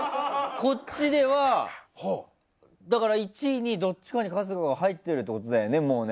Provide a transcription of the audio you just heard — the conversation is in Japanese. こっちでは１位かどっちかに春日が入ってるってことだよね。